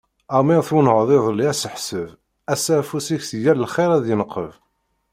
Amer twennɛeḍ iḍelli aseḥseb, ass-a afus-ik si yal lxir ad d-yenqeb.